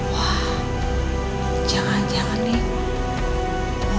wah jangan jangan nih